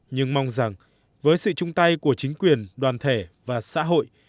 nhưng mong rằng với sự chung tay của chính quyền đoàn thể và xã hội